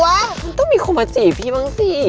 มันต้องมีคนมาจีบพี่บ้างสิ